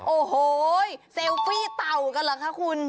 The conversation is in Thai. โอ้โหเซลฟี่เต่ากันเหรอคะคุณ